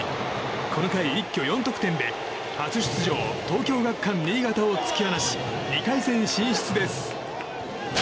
この回、一挙４得点で初出場・東京学館新潟を突き放し２回戦進出です。